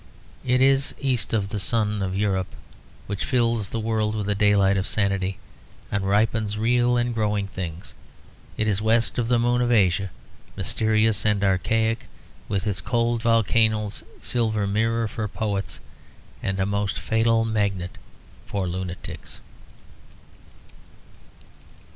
It is east of the sun of Europe, which fills the world with a daylight of sanity, and ripens real and growing things. It is west of the moon of Asia, mysterious and archaic with its cold volcanoes, silver mirror for poets and a most fatal magnet for lunatics.